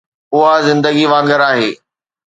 اها زندگي وانگر آهي